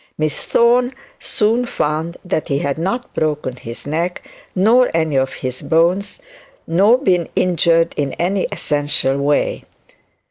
Miss Thorne soon found that he had not broken his neck, nor any of his bones, nor been injured in any essential way.